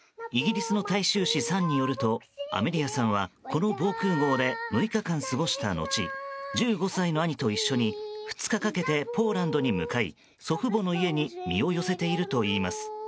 イギリスの大衆紙サンによるとアメリアさんはこの防空壕で６日間過ごしたのち１５歳の兄と一緒に２日かけてポーランドに向かい祖父母の家に身を寄せているといいます。